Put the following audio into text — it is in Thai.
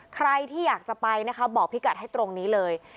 ใครที่อยากจะไปนะคะบอกพี่กัดให้ตรงนี้เลย